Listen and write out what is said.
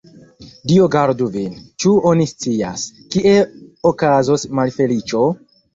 Dio gardu vin, ĉu oni scias, kie okazos malfeliĉo?